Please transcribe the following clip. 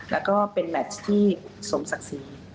และก็เป็นแมตช์ที่สมศักดิ์ศีรภ์